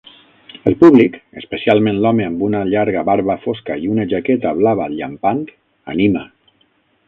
El públic, especialment l'home amb una llarga barba fosca i una jaqueta blava llampant, anima.